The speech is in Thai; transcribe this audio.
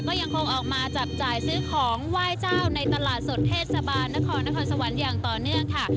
ก็ยังคงออกมาจับจ่ายซื้อของไหว้เจ้าในตลาดสดเทศบาลนครนครสวรรค์อย่างต่อเนื่องค่ะ